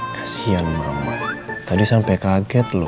kasian mama tadi sampai kaget loh